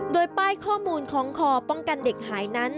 โดยป้ายข้อมูลของคอป้องกันเด็กหายนั้น